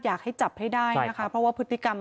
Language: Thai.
อยากให้จับให้ได้นะคะเพราะว่าพฤติกรรม